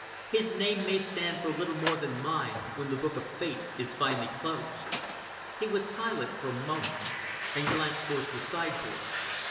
His name may stand for little more than mine, when the book of fate is finally closed." He was silent for a moment, and glanced towards the sideboard.